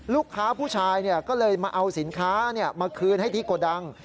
ลูกค้าผู้ชายก็เลยมาเอาสินค้ามาคืนให้ที่โกดัง